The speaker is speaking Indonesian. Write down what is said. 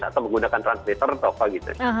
atau menggunakan translator atau apa gitu